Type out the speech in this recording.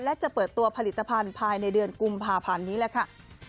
และจะเปิดตัวผลิตภัณฑ์ภายในเดือนกุมภาพันธ์นี้แหละค่ะ